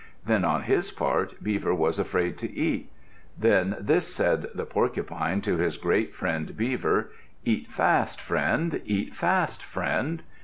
Then, on his part, Beaver was afraid to eat. Then this said the Porcupine to his great friend, Beaver: "Eat fast, friend. Eat fast, friend."